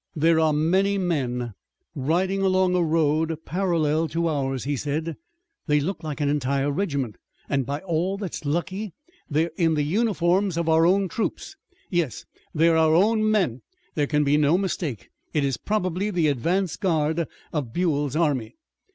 "There are many men, riding along a road parallel to ours," he said. "They look like an entire regiment, and by all that's lucky, they're in the uniforms of our own troops. Yes, they're our own men. There can be no mistake. It is probably the advance guard of Buell's army."